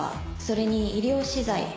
それに医療資材。